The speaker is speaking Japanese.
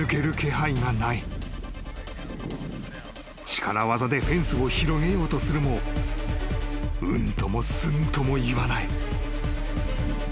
［力業でフェンスを広げようとするもうんともすんともいわない］